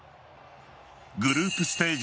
グループステージ